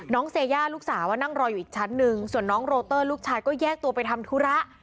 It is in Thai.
เซย่าลูกสาวนั่งรออยู่อีกชั้นหนึ่งส่วนน้องโรเตอร์ลูกชายก็แยกตัวไปทำธุระ